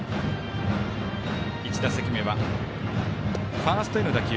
１打席目はファーストへの打球。